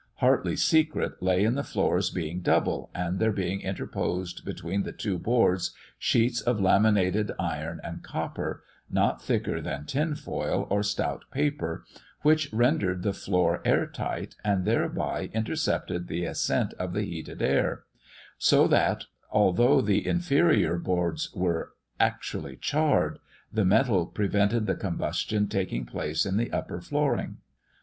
Hartley's secret lay in the floors being double, and there being interposed between the two boards sheets of laminated iron and copper, not thicker than tinfoil or stout paper, which rendered the floor air tight, and thereby intercepted the ascent of the heated air; so that, although the inferior boards were actually charred, the metal prevented the combustion taking place in the upper flooring.